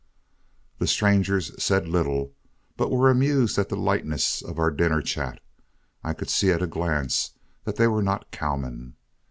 The strangers said little, but were amused at the lightness of our dinner chat. I could see at a glance that they were not cowmen.